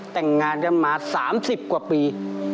แต่งงานกันมา๓๐กว่าปี